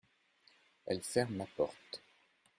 Elle ferme la porte.